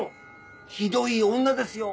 ひどい女ですよ。